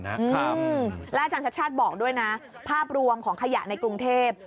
แล้วอาจารย์ชัดชาติบอกด้วยนะภาพรวมของขยะในกรุงเทพ